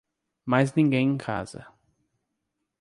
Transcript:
Mais ninguém em casa